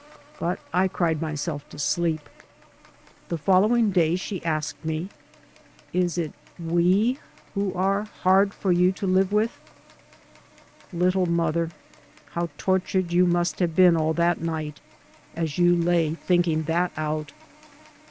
But I cried myself to sleep. The following day she asked me, " Is It — we who are — hard for you to live with?" Little mother 1 How tortured you must have been all that night as you lay thinking that out.